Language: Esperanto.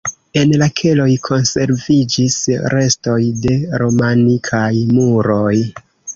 En la keloj konserviĝis restoj de romanikaj muroj.